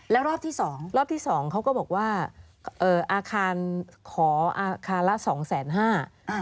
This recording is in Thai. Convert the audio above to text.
แล้วรอบที่สองรอบที่สองเขาก็บอกว่าเอ่ออาคารขออาคารละสองแสนห้า